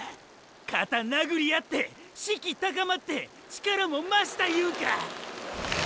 肩殴り合って士気高まって力も増したいうんか。